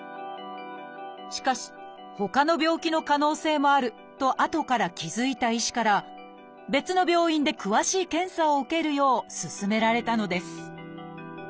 しかしほかの病気の可能性もあるとあとから気付いた医師から別の病院で詳しい検査を受けるようすすめられたのです